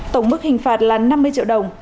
tổng mức hình phạt là năm mươi triệu đồng